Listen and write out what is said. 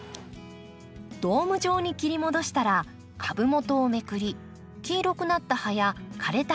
ドーム状に切り戻したら株元をめくり黄色くなった葉や枯れた葉を取り除きましょう。